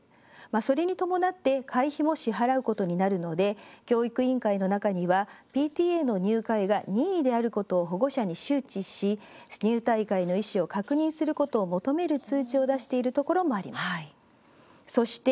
それに伴って会費も支払うことになるので教育委員会の中にはＰＴＡの入会が任意であることを保護者に周知し、入退会の意思を確認することを求める通知を出しているところもあります。